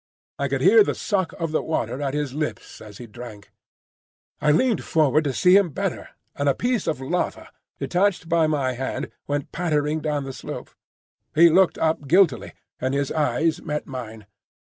I could hear the suck of the water at his lips as he drank. I leant forward to see him better, and a piece of lava, detached by my hand, went pattering down the slope. He looked up guiltily, and his eyes met mine.